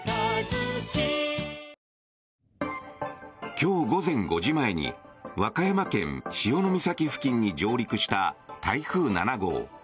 今日午前５時前に和歌山県・潮岬付近に上陸した台風７号。